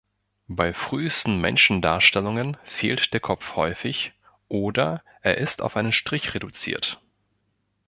Bei frühesten Menschendarstellungen fehlt der Kopf häufig oder er ist auf einen Strich reduziert.